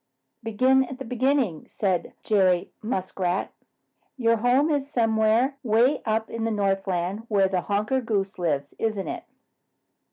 "Begin at the beginning," said Jerry Muskrat. "Your home is somewhere way up in the Northland where Honker the Goose lives, isn't it?"